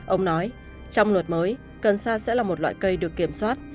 ông nói trong luật mới cần sa sẽ là một loại cây được kiểm soát